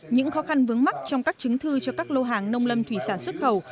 những khó khăn vướng mắt trong các chứng thư cho các lô hàng nông lâm thủy sản xuất khẩu